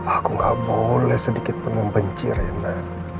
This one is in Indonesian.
aku gak boleh sedikitpun membenci rendang